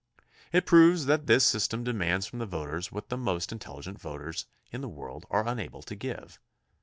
It proves that this system demands from the voters what the most in teUigent voters in the world are unable to give.